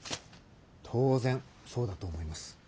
当然そうだと思います。